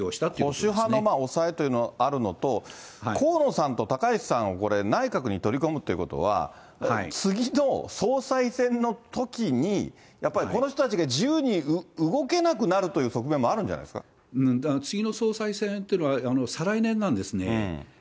保守派の押さえというのがあるのと、河野さんと高市さんを、これ、内閣に取り込むということは、次の総裁選のときに、やっぱりこの人たちが自由に動けなくなるという側面もあるんじゃ次の総裁選というのは、再来年なんですね。